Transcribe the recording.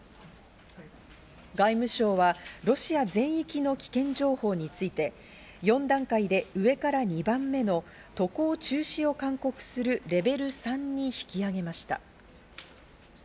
外務省はロシア全域の危険情報について４段階で上から２番目の渡航中止を勧告するレベル３に引き上げました。